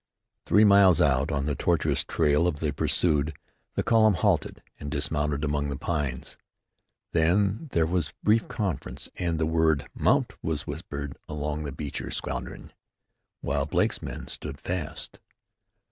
Three miles out, on the tortuous trail of the pursued, the column halted and dismounted among the pines. Then there was brief conference, and the word "Mount" was whispered along the Beecher squadron, while Blake's men stood fast.